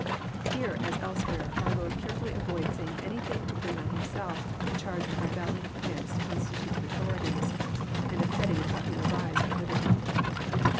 Here, as elsewhere, our Lord carefblly avoids saying anything to bring on Himself the charge of rebelling against constituted authorities, and of heading a popular rise for liberty.